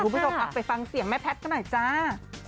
คุณผู้ชมไปฟังเสียงแม่แพทย์กันหน่อยจ้า